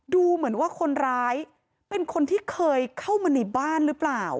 ดูเหมือนว่าคนร้ายเป็นคนที่เคยเข้ามาในบ้านหรือเปล่า